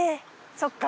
そっか。